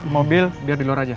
mobil biar di luar aja